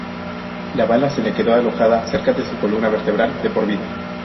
La bala se le quedó alojada cerca de su columna vertebral de por vida.